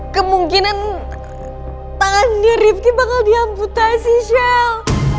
kemungkinan tangannya ripi bakal di amputasi shell